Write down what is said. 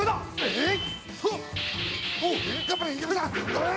えっ？